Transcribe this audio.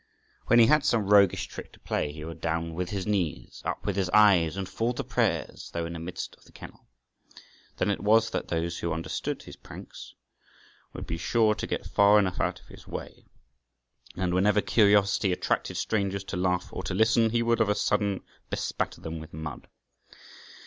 When he had some roguish trick to play, he would down with his knees, up with his eyes, and fall to prayers though in the midst of the kennel. Then it was that those who understood his pranks would be sure to get far enough out of his way; and whenever curiosity attracted strangers to laugh or to listen, he would of a sudden bespatter them with mud.